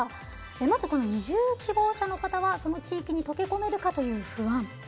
まず、移住希望者の方は地域に溶け込めるかという不安。